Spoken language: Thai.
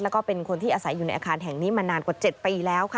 แล้วก็เป็นคนที่อาศัยอยู่ในอาคารแห่งนี้มานานกว่า๗ปีแล้วค่ะ